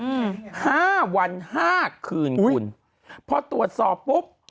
อืมห้าวันห้าคืนคุณพอตรวจสอบปุ๊บ